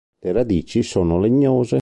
Le radici sono legnose.